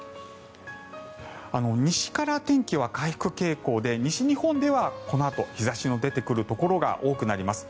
西から天気は回復傾向で西日本ではこのあと日差しの出てくるところがあります。